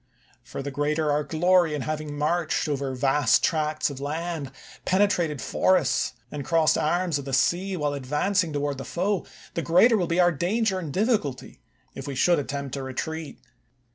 For, the greater our glory in having marched over vast tracts of land, penetrated forests, and crossed arms of the sea, while advancing toward the foe, the greater will be our danger and diflS <nilty if we should attempt a retreat.